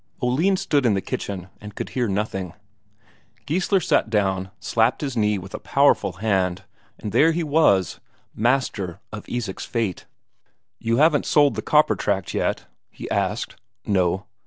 Oline stood in the kitchen and could hear nothing. Geissler sat down, slapped his knee with a powerful hand, and there he was master of Isak's fate. "You haven't sold that copper tract yet?" he asked. "No."